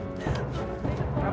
ada di mana ph